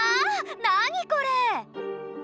何これ？